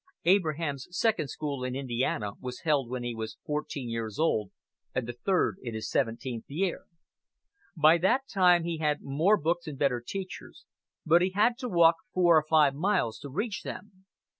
Abraham's second school in Indiana was held when he was fourteen years old, and the third in his seventeenth year. By that time he had more books and better teachers, but he had to walk four or five miles to reach them.